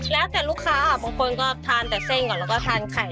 แล้วแต่ลูกค้าบางคนก็ทานแต่เส้นก่อนแล้วก็ทานไข่